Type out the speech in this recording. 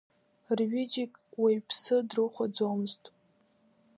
Рҩыџьагь уаҩԥс дрыхәаӡомзт.